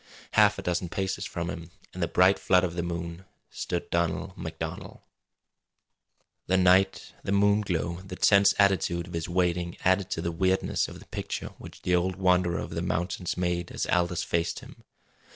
Half a dozen paces from him, in the bright flood of the moon, stood Donald MacDonald. The night, the moon glow, the tense attitude of his waiting added to the weirdness of the picture which the old wanderer of the mountains made as Aldous faced him.